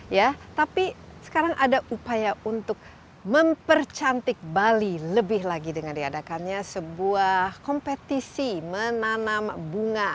ya tapi sekarang ada upaya untuk mempercantik bali lebih lagi dengan diadakannya sebuah kompetisi menanam bunga